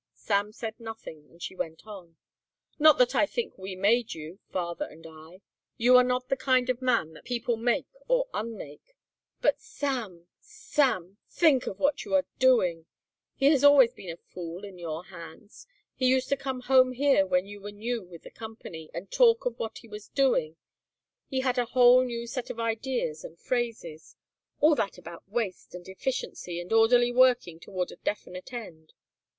Sam said nothing and she went on. "Not that I think we made you, father and I. You are not the kind of man that people make or unmake. But, Sam, Sam, think what you are doing. He has always been a fool in your hands. He used to come home here when you were new with the company and talk of what he was doing. He had a whole new set of ideas and phrases; all that about waste and efficiency and orderly working toward a definite end.